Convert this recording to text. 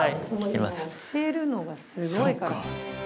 今教えるのがすごいから。